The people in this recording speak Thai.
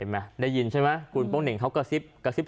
เห็นมั้ยได้ยินใช่ไหมกุญป้องเน่งเขากระซิบ